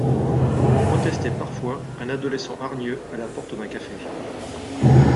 Protestait parfois un adolescent hargneux à la porte d'un café.